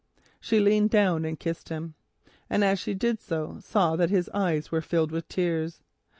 She leant down and kissed him, and as she did so saw that his eyes were filled with tears.